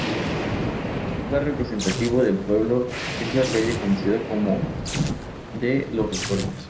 Un lugar representativo del pueblo es la calle conocida como de "los recuerdos".